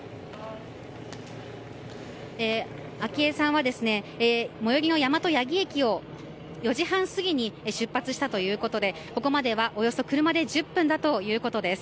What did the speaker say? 昭恵さんは最寄りの大和八木駅を４時半過ぎに出発したということでここまでは、およそ車で１０分だということです。